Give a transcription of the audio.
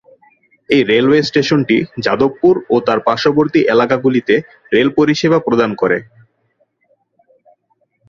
এই রেলওয়ে স্টেশনটি যাদবপুর ও তার পার্শ্ববর্তী এলাকাগুলিতে রেল পরিষেবা প্রদান করে।